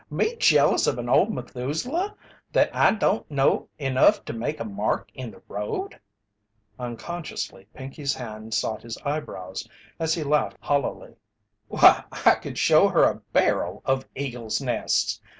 Me jealous of an old Methuselah that don't know enough to make a mark in the road?" Unconsciously Pinkey's hand sought his eyebrows, as he laughed hollowly. "Why, I could show her a barrel of eagles' nests!